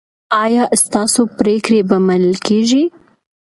ایا ستاسو پریکړې به منل کیږي؟